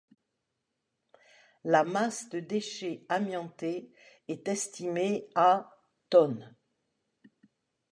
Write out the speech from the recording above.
La masse de déchets amiantés est estimée à tonnes.